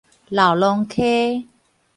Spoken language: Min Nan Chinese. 荖濃溪